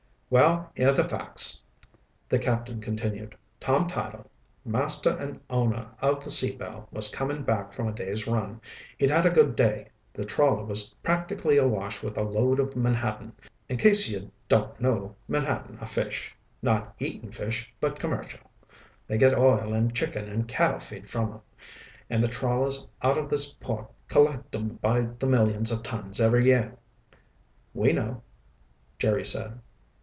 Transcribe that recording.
"Well, here're the facts," the captain continued. "Tom Tyler, master and owner of the Sea Belle, was coming back from a day's run. He'd had a good day. The trawler was practically awash with a load of menhaden. In case you don't know, menhaden are fish. Not eating fish, but commercial. They get oil and chicken and cattle feed from 'em, and the trawlers out of this port collect 'em by the millions of tons every year." "We know," Jerry said.